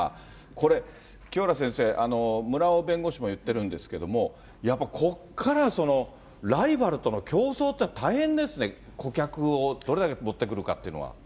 これ、清原先生、村尾弁護士も言ってるんですけれども、やっぱここからライバルとの競争っていうのは大変ですね、顧客をどれだけ持ってくるかというのは。